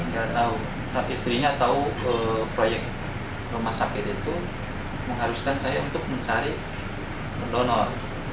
tidak tahu tapi istrinya tahu proyek rumah sakit itu mengharuskan saya untuk mencari donor